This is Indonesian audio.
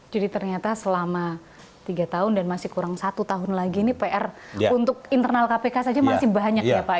jadi ternyata selama tiga tahun dan masih kurang satu tahun lagi ini pr untuk internal kpk saja masih banyak ya pak